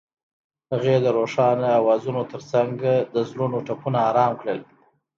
هغې د روښانه اوازونو ترڅنګ د زړونو ټپونه آرام کړل.